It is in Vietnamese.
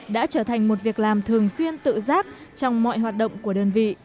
đã trở thành một việc làm thường xuyên tự giác trong mọi hoạt động của đơn vị